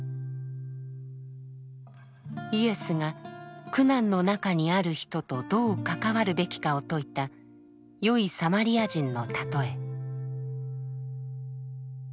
イエスが苦難の中にある人とどう関わるべきかを説いた「善いサマリア人」のたとえ。